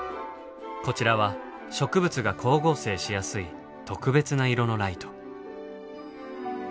こちらは植物が光合成しやすい特別な色のライト。